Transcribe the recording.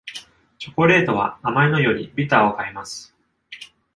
チョコレートは甘いのよりビターを買います